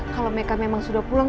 kalau mereka memang sudah pulang